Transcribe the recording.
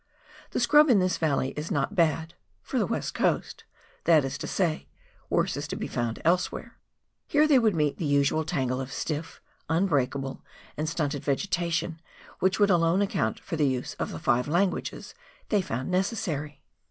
The scrub, in this valley, is not bad, for the West Coast — that is to say, worse is to be found elsewhere. Here they would meet the usual tangle of stiff, unbreakable, and stunted vegetation which would alone account for the use of the five languages they found necessary